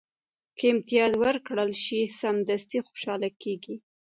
که امتیاز ورکړل شي، سمدستي خوشاله کېږي.